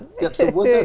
saya berdoa tiap sebutan